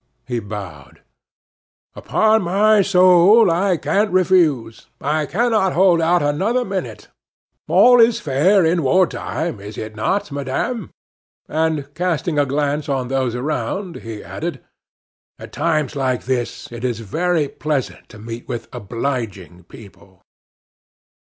He bowed. "Upon my soul, I can't refuse; I cannot hold out another minute. All is fair in war time, is it not, madame?" And, casting a glance on those around, he added: "At times like this it is very pleasant to meet with obliging people."